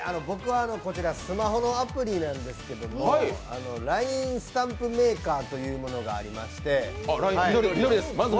僕はスマホのアプリなんですけど、ＬＩＮＥスタンプメーカーというものがありまして。